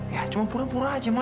ya cuma pura pura aja mas